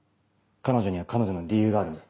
彼女には彼女の理由があるんだ。